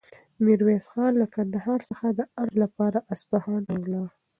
میرویس خان له کندهار څخه د عرض لپاره اصفهان ته ولاړ.